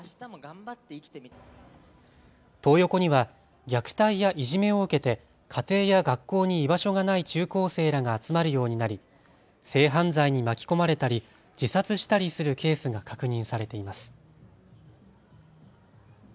トー横には虐待やいじめを受けて家庭や学校に居場所がない中高生らが集まるようになり性犯罪に巻き込まれたり自殺したりするケースが確認されています。